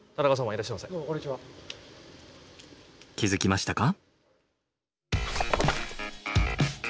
気付きましたか？